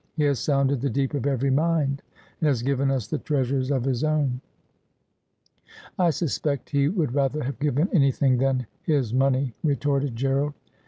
He has sounded the deep of every mind, and has given us the treasures of his own.' ' I suspect he would rather have given anything than his money,' retorted Gerald.